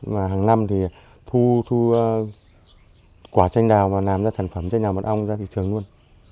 mà hàng năm thì thu quả tranh đào và làm ra sản phẩm tranh đào mật ong ra thị trường luôn